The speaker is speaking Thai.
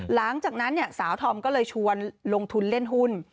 หลังจากนั้นสาวธอมก็เลยชวนลงทุนเล่นหุ้น